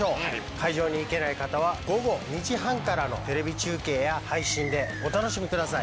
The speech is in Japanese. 会場に行けない方は午後２時半からのテレビ中継や配信でお楽しみください。